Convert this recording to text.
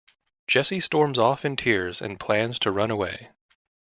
Jesse storms off in tears and plans to run away.